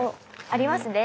ありますね。